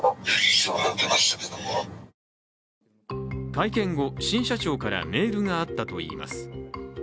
会見後、新社長からメールがあったといいます。